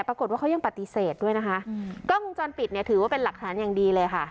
ปรากฏว่าเขายังปฏิเสธด้วยนะคะกล้องวงจรปิดเนี่ยถือว่าเป็นหลักฐานอย่างดีเลยค่ะ